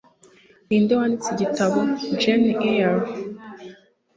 Ninde wanditse igitabo "Jane Eyre"?